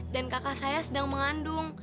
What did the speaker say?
dan kakak saya sedang mengandung